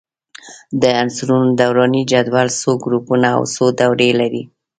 د عنصرونو دوراني جدول څو ګروپونه او څو دورې لري؟